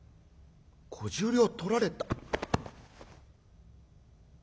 「５０両とられた。